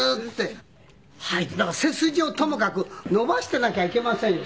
だから背筋をともかく伸ばしてなきゃいけませんよ